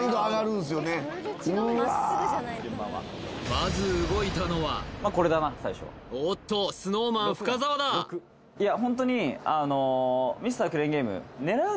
まず動いたのはおっとＳｎｏｗＭａｎ深澤だいや